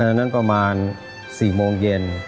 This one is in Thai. ตอนนั้นประมาณ๔โมงเย็น